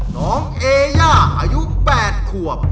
น้องเอย่าอายุ๘ขวบ